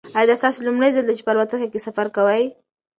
ایا دا ستاسو لومړی ځل دی چې په الوتکه کې سفر کوئ؟